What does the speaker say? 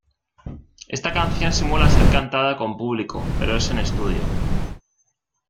Esta canción simula ser cantada con público pero es en estudio.